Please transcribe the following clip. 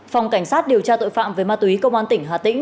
phòng cảnh sát điều tra tội phạm về ma túy công an tỉnh hà tĩnh